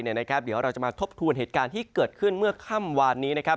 เดี๋ยวเราจะมาทบทวนเหตุการณ์ที่เกิดขึ้นเมื่อค่ำวานนี้นะครับ